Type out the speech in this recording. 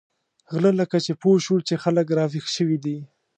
غله لکه چې پوه شول چې خلک را وېښ شوي دي.